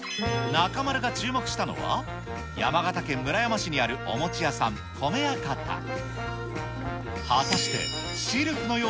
中丸が注目したのは、山形県村山市にあるお餅屋さん、こめやかた。